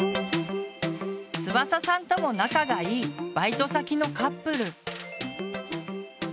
つばささんとも仲がいいバイト先のカップル。